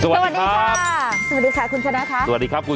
สวัสดีครับสวัสดีค่ะสวัสดีค่ะสวัสดีครับครู